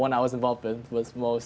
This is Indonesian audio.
pertama adalah pendidikan secara umum